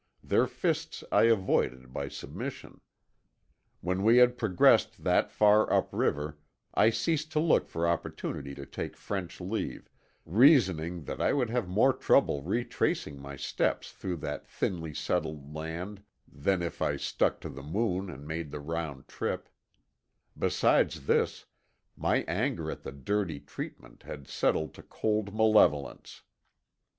Their fists I avoided by submission. When we had progressed that far up river I ceased to look for opportunity to take French leave, reasoning that I would have more trouble retracing my steps through that thinly settled land than if I stuck to the Moon and made the round trip; besides this, my anger at the dirty treatment had settled to cold malevolence.